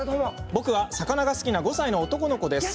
僕は魚が好きな５歳の男の子です。